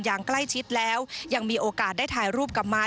อย่างใกล้ชิดแล้วยังมีโอกาสได้ถ่ายรูปกลับมา